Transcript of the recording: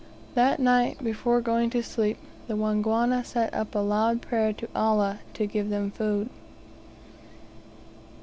That night, before going to sleep, the Wangwana set up a loud prayer to "Allah" to give them food.